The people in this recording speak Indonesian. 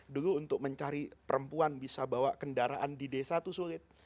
dulu untuk mencari perempuan bisa bawa kendaraan di desa itu sulit